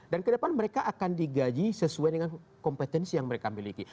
dan ke depan mereka akan digaji sesuai dengan kompetensi yang mereka miliki